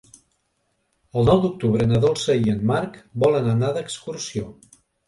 El nou d'octubre na Dolça i en Marc volen anar d'excursió.